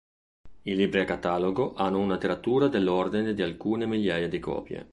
I libri a catalogo hanno una tiratura delle ordine di alcune migliaia di copie.